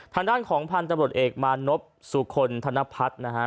ทางด้านของพารณ์ตำรวจเอกบานนบสุกลธนพัสนะฮะ